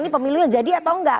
ini pemilunya jadi atau enggak